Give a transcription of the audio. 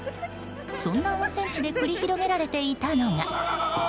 そんな温泉地で繰り広げられていたのが。